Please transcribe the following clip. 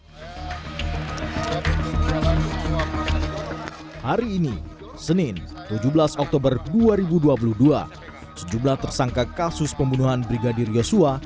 hai hari ini senin tujuh belas oktober dua ribu dua puluh dua sejumlah tersangka kasus pembunuhan brigadir yosua